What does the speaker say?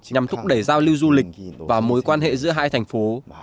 nhằm thúc đẩy giao lưu du lịch và mối quan hệ giữa hai thành phố